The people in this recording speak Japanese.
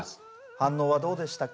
反応はどうでしたか？